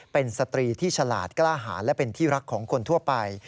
เป็นสตรีที่ฉลาดกล้าหาและเป็นที่รักของคนทั่วไป